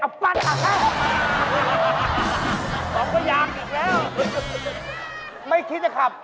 อ้าวปั๊ดส่องพะยังอยู่แล้ว